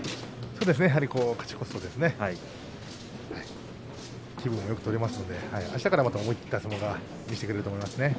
そうですねやはり勝ち越すと気分もよく取れますのであしたからまた思い切った相撲を見せてくれると思いますね。